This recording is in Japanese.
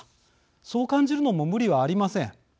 そう感じるのも無理はありません。